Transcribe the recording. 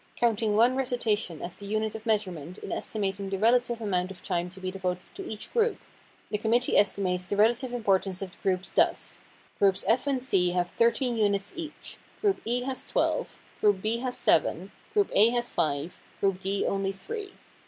Counting one recitation as the unit of measurement in estimating the relative amount of time to be devoted to each group, the committee estimates the relative importance of the groups thus: Groups F and C have thirteen units each; group E has twelve; group B has seven; group A has five; group D only three.